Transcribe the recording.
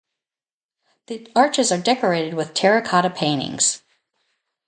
The arches are decorated with terracotta paintings.